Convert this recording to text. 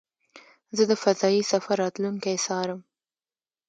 زه د فضایي سفر راتلونکی څارم.